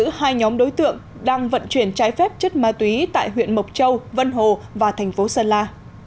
hai nhóm đối tượng đang vận chuyển trái phép chất ma túy tại huyện mộc châu vân hồ và thành phố sơn la